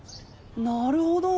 なるほど。